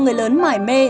người lớn mải mê